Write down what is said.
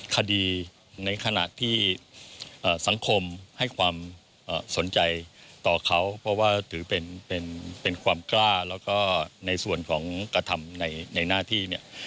คดีในขณะที่สังคมให้ความสนใจต่อเขาเพราะว่าถือเป็นความกล้าแล้วก็ในส่วนของกระทำในหน้าที่เนี่ย